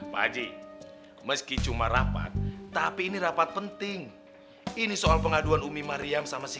pak haji meski cuma rapat tapi ini rapat penting ini soal pengaduan umi mariam sama si